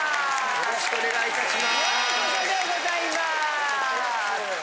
よろしくお願いします。